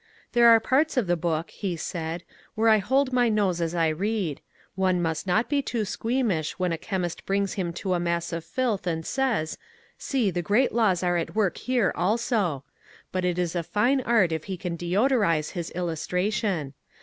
" There are parts of the book," he said, " where I hold my nose as I read. One must not be too squeamish when WALT WHITMAN EMERSON ON WHITMAN 217 a chemist brings him to a mass of filth and says, ^ See, the great laws are at work here also ;' but it is a fine art if he can deodorize his illustration.